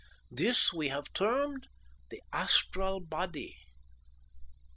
This we have termed the astral body."